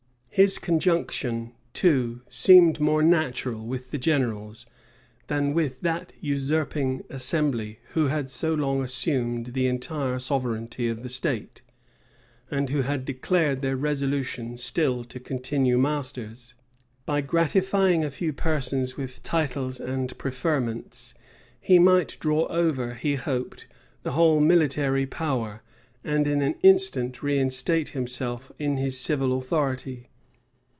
His conjunction, too, seemed more natural with the generals, than with that usurping assembly who had so long assumed the entire sovereignty of the state, and who had declared their resolution still to continue masters. By gratifying a few persons with titles and preferments, he might draw over, he hoped, the whole military power, and in an instant reinstate himself in his civil authority.